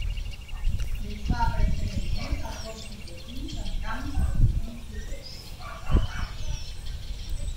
Ho fa preferentment als boscos de pins amb camps de cultiu propers.